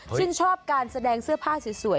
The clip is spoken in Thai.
ชอบการแสดงเสื้อผ้าสวย